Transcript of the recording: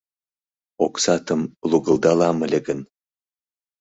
Оксатым лугылдалам ыле гын